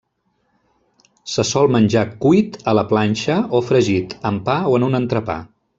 Se sol menjar cuit a la planxa o fregit, amb pa o en un entrepà.